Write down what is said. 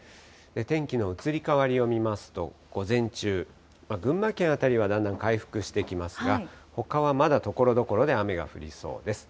天気の移り変わりを見ますと、午前中、群馬県辺りはだんだん回復してきますが、ほかはまだところどころで雨が降りそうです。